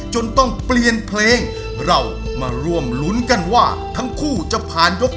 จนต้องเปลี่ยนเพลงเรามาร่วมลุ้นกันว่าทั้งคู่จะผ่านยก